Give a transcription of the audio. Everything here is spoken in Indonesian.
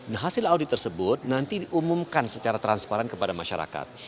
nah hasil audit tersebut nanti diumumkan secara transparan kepada masyarakat